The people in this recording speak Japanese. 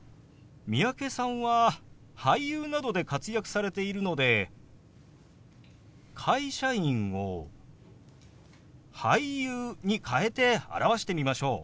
三宅さんは俳優などで活躍されているので「会社員」を「俳優」に変えて表してみましょう。